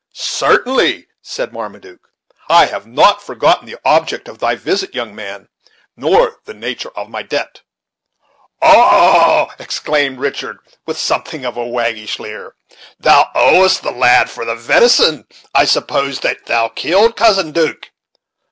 "Certainly," said Marmaduke: "I have not forgotten the object of thy visit, young man, nor the nature of my debt. "Oh!" exclaimed Richard, with something of a waggish leer, "thou owest the lad for the venison, I suppose that thou killed, Cousin 'Duke!